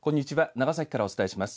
長崎からお伝えします。